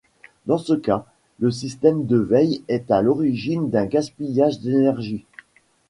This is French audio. Dans ce cas, le système de veille est à l'origine d'un gaspillage d'énergie.